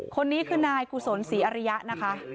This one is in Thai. คนนี้คือนายกุศลศรีอริยะนะคะ